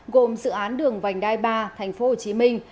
gồm dự án đường vành đai ba thành phố hồ chí minh